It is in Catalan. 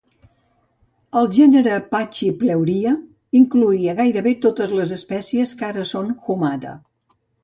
El gènere "pachypleuria" incloïa gairebé totes les espècies que ara són a "humata".